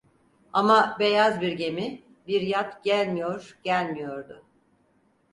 Ama beyaz bir gemi, bir yat gelmiyor, gelmiyordu.